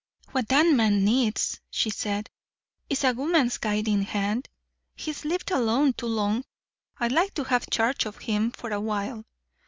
"What that man needs," she said, "is a woman's guiding hand. He's lived alone too long. I'd like to have charge of him for a while.